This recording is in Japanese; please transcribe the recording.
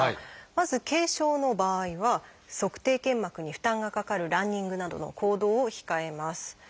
まず軽症の場合は足底腱膜に負担がかかるランニングなどの行動を控えます。